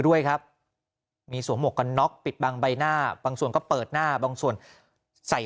ด้วยครับมีสวมหมวกกันน็อกปิดบังใบหน้าบางส่วนก็เปิดหน้าบางส่วนใส่